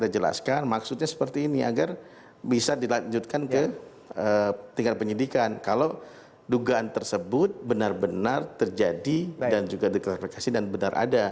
jadi saya ingin mengambilkan ke penyidikan